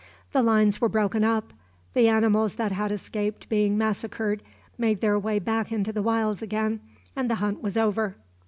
The lines were broken up, the animals that had escaped being massacred made their way back into the wilds again, and the hunt was over.